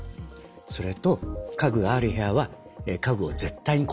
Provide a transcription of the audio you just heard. それと家具がある部屋は家具を絶対に固定する。